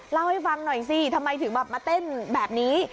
เล่าให้ฟังหน่อยสิทำไมถึงแบบมาเต้นแบบนี้